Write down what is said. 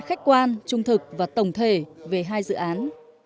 khách quan trung thực và tổng thể về hai dự án